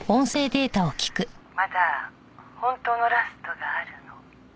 「まだ本当のラストがあるの」